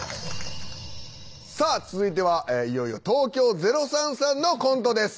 さあ続いてはいよいよ東京０３さんのコントです。